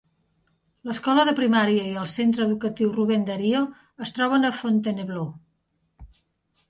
L'escola de primària i el centre educatiu Ruben Dario es troben a Fontainebleau.